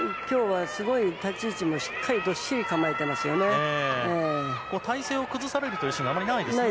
今日はすごく立ち位置もしっかりどっしり構えてますよね。